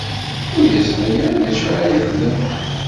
Ur yeẓri ara d acu ara yexdem?